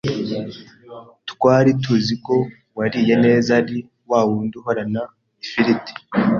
Twari tuzi ko uwariye neza ari wawundi uhorana ifiriti